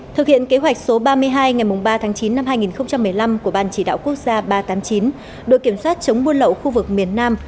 thực hiện kế hoạch số ba mươi hai ngày ba tháng chín năm hai nghìn một mươi năm của ban chỉ đạo quốc gia ba trăm tám mươi chín đội kiểm soát chống buôn lậu khu vực miền nam